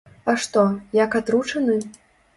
А што, як атручаны?